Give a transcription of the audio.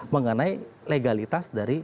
mengenai legalitas dari